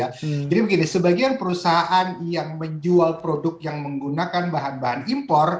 jadi begini sebagian perusahaan yang menjual produk yang menggunakan bahan bahan impor